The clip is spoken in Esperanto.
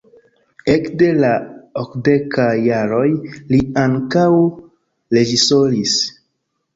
Ekde la okdekaj jaroj li ankaŭ reĝisoris.